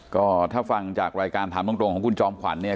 ก็ถ้าฟังจากรายการถามตรงของคุณจอมขวัญเนี่ย